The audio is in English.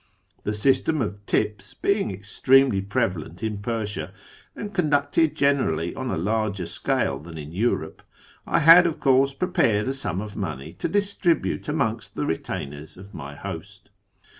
The system of " tips " being extremely prevalent in Persia, and conducted generally on a larger scale than in Europe, I had, of course, prepared a sum of money to distribute amongst the retainers of my host.